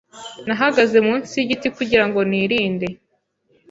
Nahagaze munsi yigiti kugirango nirinde.